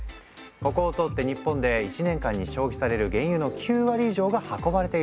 ここを通って日本で１年間に消費される原油の９割以上が運ばれているんだ。